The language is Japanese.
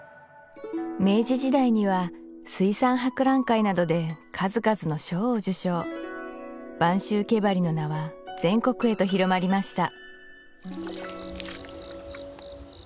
明治時代には水産博覧会などで数々の賞を受賞播州毛鉤の名は全国へと広まりました